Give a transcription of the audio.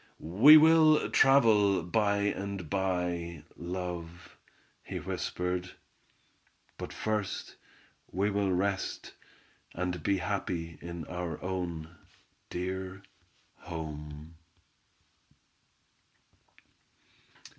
"We will travel by and by, love," he whispered. "But first we will rest and be happy in our own dear home!"